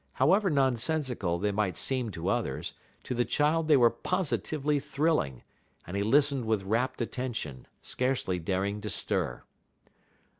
However nonsensical they might seem to others, to the child they were positively thrilling, and he listened with rapt attention, scarcely daring to stir.